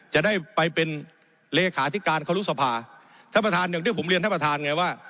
จะได้ไปเป็นเลขาธิการเขารู้สภาท่านประธานอย่างที่ผมเรียนท่านประธานไงว่า